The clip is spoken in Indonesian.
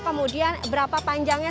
kemudian berapa panjangnya